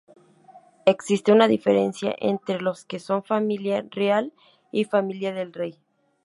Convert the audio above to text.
Existe una diferencia entre los que son Familia Real y Familia del Rey.